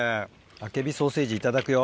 アケビソーセージいただくよ。